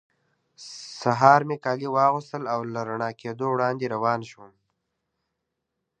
سهار مې کالي واغوستل او له رڼا کېدو وړاندې روان شوم.